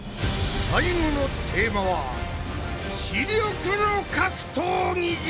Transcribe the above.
最後のテーマは「知力の格闘技」じゃ！